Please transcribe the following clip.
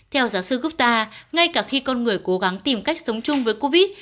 theo giáo sư gupta ngay cả khi con người cố gắng tìm cách sống chung với covid một mươi chín